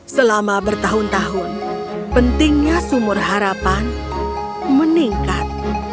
selama bertahun tahun pentingnya sumur harapan meningkat